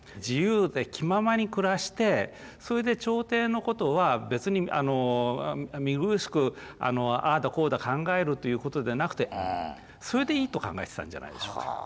自由で気ままに暮らしてそれで朝廷のことは別に見苦しくああだこうだ考えるということではなくてそれでいいと考えてたんじゃないでしょうか。